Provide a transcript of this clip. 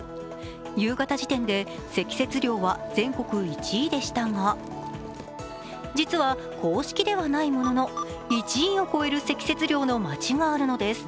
夕方時点で積雪量は全国１位でしたが、実は公式ではないものの１位を超える積雪量の町があるんです。